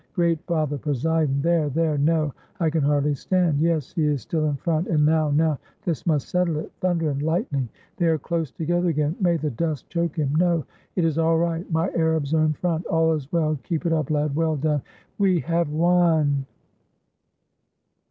Great Father Poseidon! — there — there! — no! I can hardly stand! — Yes, he is still in front, and now — now — this must settle it! Thunder and Hght ning! They are close together again — may the dust choke him ! No — it is all right; my Arabs are in front! All is well, keep it up, lad, well done! We have won!"